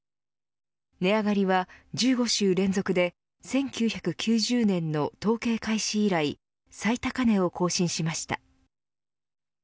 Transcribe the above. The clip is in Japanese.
値上がりは１５週連続で１９９０年の統計開始以来最高値を更新しました。